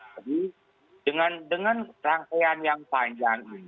jadi dengan rangkaian yang panjang